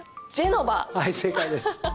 はい、正解です。